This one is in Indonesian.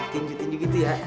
tinggi tinggi gitu ya